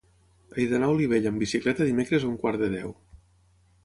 He d'anar a Olivella amb bicicleta dimecres a un quart de deu.